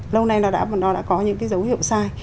lâu nay nó đã có những cái dấu hiệu sai